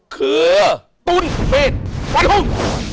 เครื่องตุนเมตรฝันฮุม